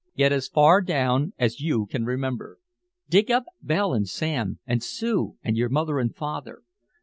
Get as far down as you can remember. Dig up Belle and Sam, and Sue and your mother and father.